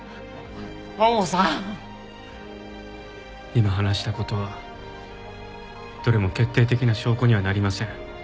今話した事はどれも決定的な証拠にはなりません。